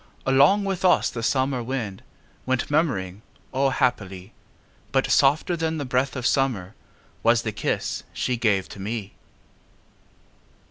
Along with us the summer wind Went murmuring O, happily! But softer than the breath of summer Was the kiss she gave to me.